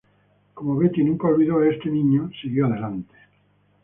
Como Beti nunca olvidó a este niño, siguió adelante.